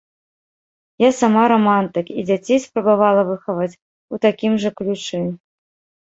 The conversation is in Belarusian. Я сама рамантык, і дзяцей спрабавала выхаваць у такім жа ключы.